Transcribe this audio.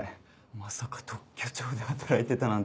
まさか特許庁で働いてたなんて。